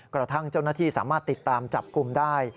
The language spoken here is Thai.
กระทั่งเจ้าหน้าที่สามารถติดตามจับกลุ่มได้